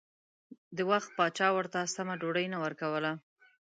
د وخت پاچا ورته سمه ډوډۍ نه ورکوله.